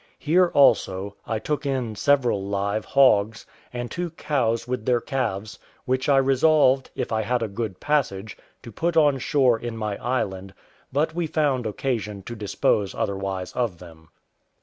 Here, also, I took in several live hogs, and two cows with their calves, which I resolved, if I had a good passage, to put on shore in my island; but we found occasion to dispose otherwise of them.